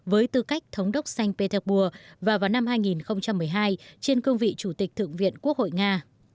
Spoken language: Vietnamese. với tư cách thống đốc xanh petersburg và vào năm hai nghìn một mươi hai trên cương vị chủ tịch thượng viện quốc hội nga